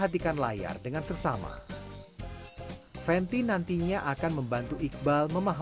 di depan dan di bawah